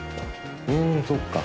うーんそっか。